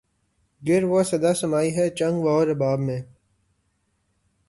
گر وہ صدا سمائی ہے چنگ و رباب میں